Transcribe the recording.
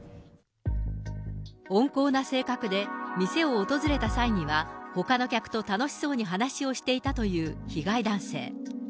温厚な性格で、店を訪れた際には、ほかの客と楽しそうに話をしていたという被害男性。